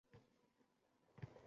Ana shu “chak-chak”larga chidamagan.